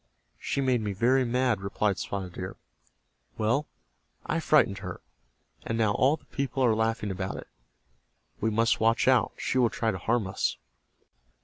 "She made me very mad," replied Spotted Deer. "Well, I frightened her, and now all the people are laughing about it. We must watch out. She will try to harm us."